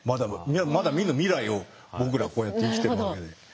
まだ見ぬ未来を僕らこうやって生きてるわけで。